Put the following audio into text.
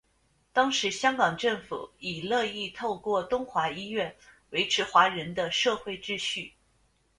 当时香港政府亦乐意透过东华医院维持华人的社会秩序。